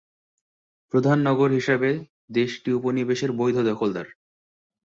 প্রধান নগর হিসেবে দেশটি উপনিবেশের বৈধ দখলদার।